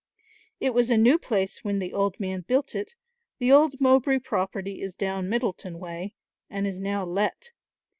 It was a new place when the old man built it, the old Mowbray property is down Middleton way and is now let.